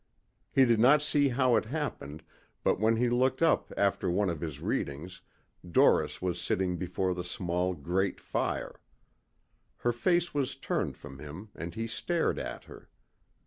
He did not see how it had happened but when he looked up after one of his readings Doris was sitting before the small grate fire. Her face was turned from him and he stared at her.